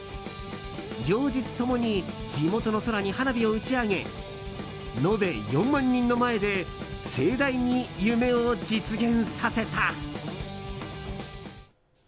両日ともに地元の空に花火を打ち上げ延べ４万人の前で盛大に夢を実現させた。